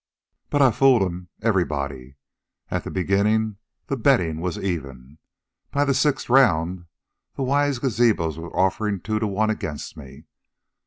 "But I fooled 'em everybody. At the beginnin' the bettin' was even. By the sixth round the wise gazabos was offerin' two to one against me.